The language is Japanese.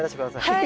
はい。